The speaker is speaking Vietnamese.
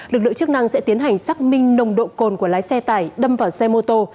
lực lượng chức năng sẽ tiến hành xác minh nồng độ cồn của lái xe tải đâm vào xe mô tô